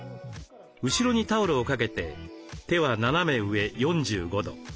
後ろにタオルをかけて手は斜め上４５度。